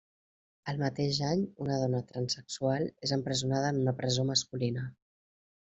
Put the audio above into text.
El mateix any, una dona transsexual és empresonada en una presó masculina.